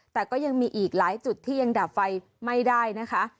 แต่ก็ยังมีอีกหลายจุดที่ยังดับไฟไม่ได้นะคะ